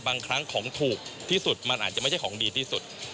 บางครั้งของถูกที่สุดมันอาจจะไม่ใช่ของดีที่สุด